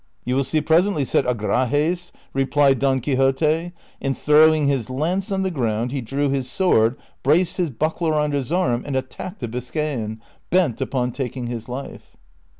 Hi u You will see presently," said Agrajes,' "^ replied Don Quixote ; and throwing his lance on the ground he drew his sword, braced his buckler on his arm, and attacked the Biscayan, bent upon taking his life.